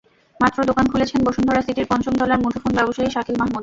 মাত্র দোকান খুলেছেন বসুন্ধরা সিটির পঞ্চম তলার মুঠোফোন ব্যবসায়ী শাকিল মাহমুদ।